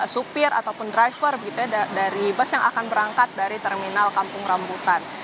supir ataupun driver dari bus yang akan berangkat dari terminal kampung rambutan